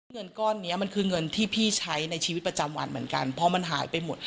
เงินก้อนนี้มันคือเงินที่พี่ใช้ในชีวิตประจำวันเหมือนกันเพราะมันหายไปหมด